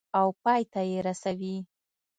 او پای ته یې رسوي.